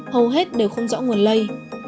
hầu hết đều không rõ nguồn lây